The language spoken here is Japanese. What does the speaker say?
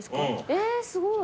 えっすごい。